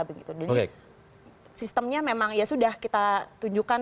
sistemnya memang ya sudah kita tunjukkan